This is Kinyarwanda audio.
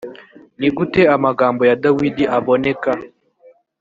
ni gute amagambo ya dawidi aboneka